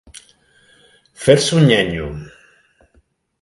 Fer-se un nyanyo.